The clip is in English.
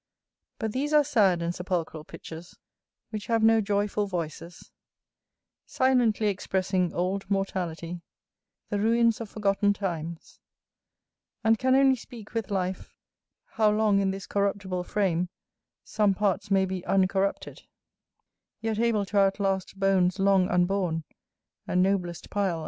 But these are sad and sepulchral pitchers, which have no joyful voices; silently expressing old mortality, the ruins of forgotten times, and can only speak with life, how long in this corruptible frame some parts may be uncorrupted; yet able to outlast bones long unborn, and noblest pile among us.